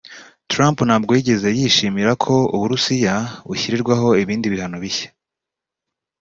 Trump ntabwo yigeze yishimira ko Uburusiya bushyirirwaho ibindi bihano bishya